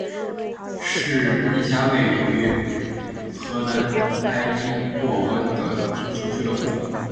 是一家位于荷兰埃因霍温的足球俱乐部。